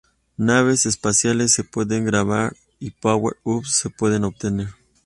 Naves especiales se pueden grabar y power-ups se pueden obtener.